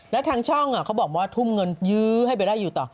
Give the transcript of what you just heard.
แล้วทางช่องเขาบอกว่าทุ่มเงินยื้อให้ไปได้อยู่ต่อ